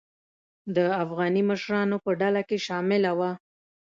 د افغاني مشرانو په ډله کې شامله وه.